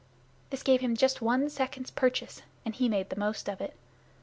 This gave him just one second's purchase, and he made the most of it.